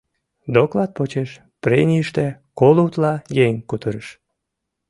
Доклад почеш пренийыште коло утла еҥ кутырыш.